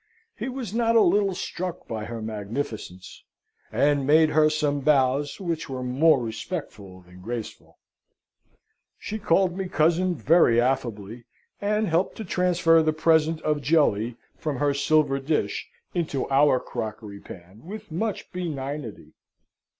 He was not a little struck by her magnificence, and made her some bows, which were more respectful than graceful. She called me cousin very affably, and helped to transfer the present of jelly from her silver dish into our crockery pan with much benignity.